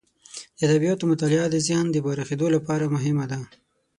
د ادبیاتو مطالعه د ذهن د پراخیدو لپاره مهمه ده.